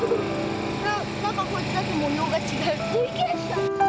何かこいつだけ模様が違う。